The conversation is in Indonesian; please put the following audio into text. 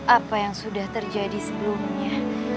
apa yang sudah terjadi sebelumnya